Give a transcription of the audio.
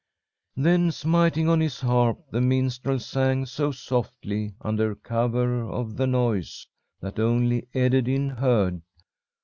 "Then smiting on his harp, the minstrel sang, so softly under cover of the noise, that only Ederyn heard.